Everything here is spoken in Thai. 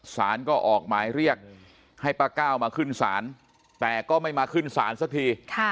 สารก็ออกหมายเรียกให้ป้าก้าวมาขึ้นศาลแต่ก็ไม่มาขึ้นศาลสักที